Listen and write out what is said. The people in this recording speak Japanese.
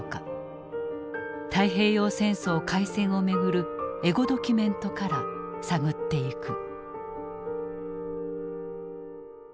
太平洋戦争開戦を巡るエゴドキュメントから探っていく。